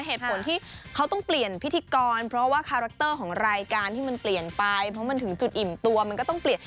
เหตุผลที่เขาต้องเปลี่ยนพิธีกรเพราะว่าคาแรคเตอร์ของรายการที่มันเปลี่ยนไปเพราะมันถึงจุดอิ่มตัวมันก็ต้องเปลี่ยน